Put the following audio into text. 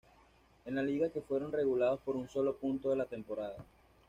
En la liga que fueron relegados por un solo punto de la temporada.